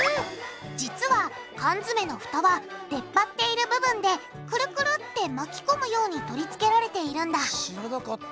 実は缶詰のフタは出っ張っている部分でクルクルって巻き込むように取り付けられているんだ知らなかった。